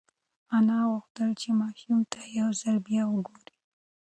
انا غوښتل چې ماشوم ته یو ځل بیا وگوري.